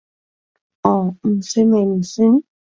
哦，唔算咪唔算